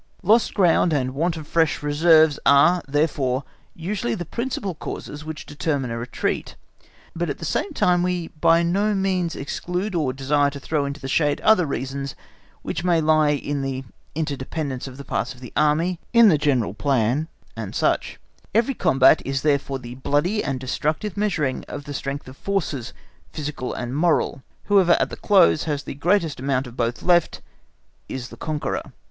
Lost ground and want of fresh reserves, are, therefore, usually the principal causes which determine a retreat; but at the same time we by no means exclude or desire to throw in the shade other reasons, which may lie in the interdependence of parts of the Army, in the general plan, &c. Every combat is therefore the bloody and destructive measuring of the strength of forces, physical and moral; whoever at the close has the greatest amount of both left is the conqueror.